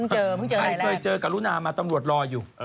คิดเคยเจอกับลูนามาตำรวจรอยอยู่